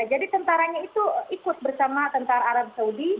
jadi tentaranya itu ikut bersama tentara arab saudi